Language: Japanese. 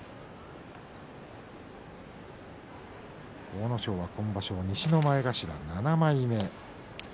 阿武咲は今場所西の前頭７枚目。